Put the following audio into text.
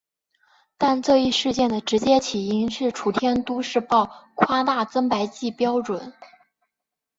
但这一事件的直接起因是楚天都市报夸大增白剂标准。